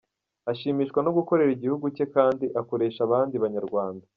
Ashimishwa no gukorera igihugu cye kandi akoresha abandi Banyarwanda.